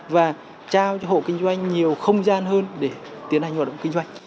và trao cho hộ kinh doanh nhiều không gian hơn để tiến hành hoạt động kinh doanh